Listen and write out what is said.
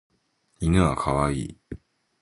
犬はかわいい